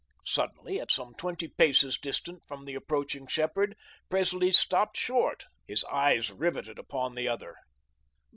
Suddenly, at some twenty paces distant from the approaching shepherd, Presley stopped short, his eyes riveted upon the other.